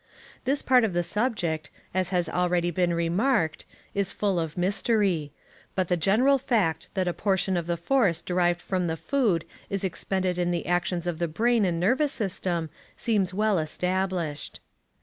This part of the subject, as has already been remarked, is full of mystery; but the general fact that a portion of the force derived from the food is expended in actions of the brain and nervous system seems well established.